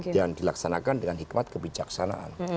dan dilaksanakan dengan hikmat kebijaksanaan